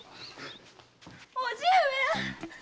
叔父上！